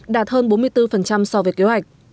đạt hơn bốn mươi bốn so với kế hoạch